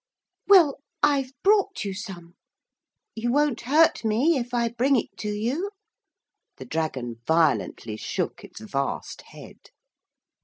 'Well, I've brought you some. You won't hurt me if I bring it to you?' The dragon violently shook its vast head.